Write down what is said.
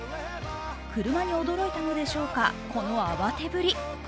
車に驚いたのでしょうか、この慌てぶり。